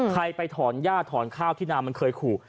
ไปถอนหญ้าถอนข้าวที่นามันเคยขู่